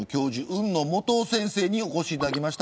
海野素央さんにお越しいただきました。